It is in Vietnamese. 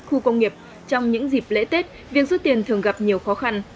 khu công nghiệp trong những dịp lễ tết việc rút tiền thường gặp nhiều khó khăn